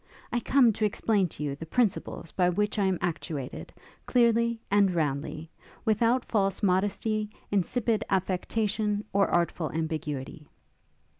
I come to explain to you the principles by which I am actuated, clearly and roundly; without false modesty, insipid affectation, or artful ambiguity.